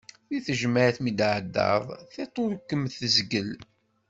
Deg tejmaɛt mi d-tɛeddaḍ, tiṭ ur ad kem-tzeggel.